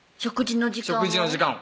食事の時間を？